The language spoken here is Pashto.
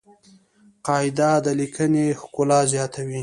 قاعده د لیکني ښکلا زیاتوي.